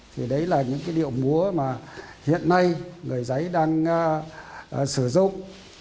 thì đấy là những cái điệu múa mà hiện nay người giấy đang sử dụng